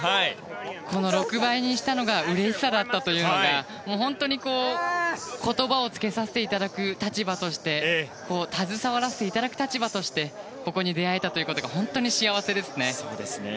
この６倍にしたのがうれしさだったというのが本当に言葉をつけさせていただく立場として携わらせていただく立場としてここに出会えたということが本当に幸せですね。